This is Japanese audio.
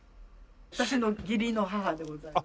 私の義理の母でございます。